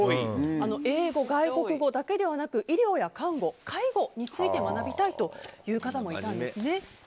英語、外国語だけではなく医療や看護介護について学びたいという方もいたんですね。